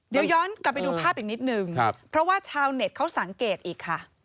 เดี๋ยวย้อนกลับไปดูภาพอีกนิดนึงเพราะว่าชาวเน็ตเขาสังเกตอีกค่ะ